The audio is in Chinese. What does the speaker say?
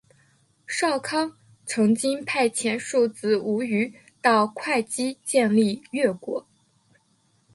少康曾经派遣庶子无余到会稽建立越国。